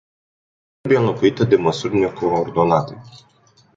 Nu trebuie înlocuită de măsuri necoordonate.